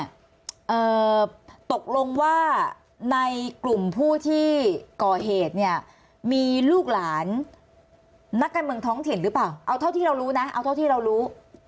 เอ่อตกลงว่าในกลุ่มผู้ที่ก่อเหตุเนี่ยมีลูกหลานนักการเมืองท้องถิ่นหรือเปล่าเอาเท่าที่เรารู้นะเอาเท่าที่เรารู้